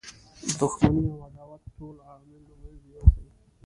دښمنی او عداوت ټول عوامل له منځه یوسي.